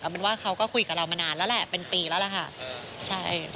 หมายความว่าเขาก็คุยกับเรามะนาแล้วละเป็นปี๐๒